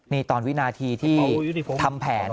นี่ตอนวินาทีที่ทำแผน